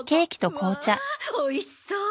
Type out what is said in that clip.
わあおいしそう！